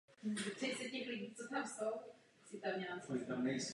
Má v parku řadu přítoků z botanické zahrady i ze zoo.